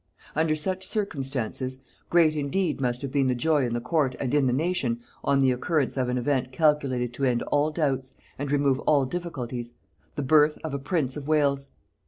Under such circumstances, great indeed must have been the joy in the court and in the nation on the occurrence of an event calculated to end all doubts and remove all difficulties the birth of a prince of Wales.